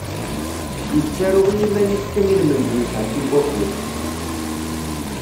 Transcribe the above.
Yettaru i yiman-is kan i lmend n usεeddi n wakud.